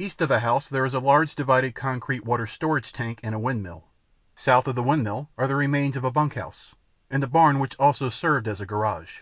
East of the house there is a large, divided concrete water storage tank and a windmill. South of the windmill are the remains of a bunkhouse, and a barn which also served as a garage.